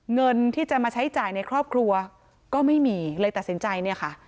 เงินที่จะมาใช้จ่ายในครอบครัวก็ไม่มีเลยตัดสินใจเนี่ยค่ะ